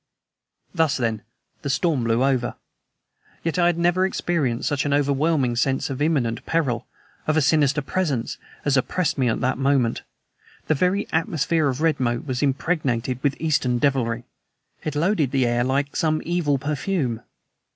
Thus, then, the storm blew over. Yet I had never experienced such an overwhelming sense of imminent peril of a sinister presence as oppressed me at that moment. The very atmosphere of Redmoat was impregnated with Eastern devilry; it loaded the air like some evil perfume.